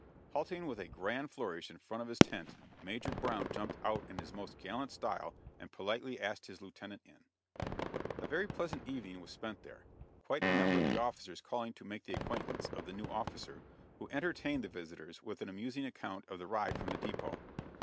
Halting with a grand flourish in front of his tent, Major Brown jumped out in his most gallant style and politely asked his lieutenant in. A very pleasant evening was spent there, quite a number of the officers calling to make the acquaintance of the new officer, who entertained the visitors with an amusing account of the ride from the dépôt.